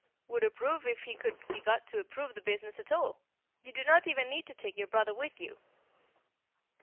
"Would approve if he could be got to approve the business at all. You do not even need to take your brother with you."